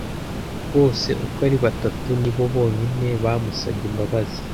Bose uko ari batatu ni bo bonyine bamusabye imbabazi.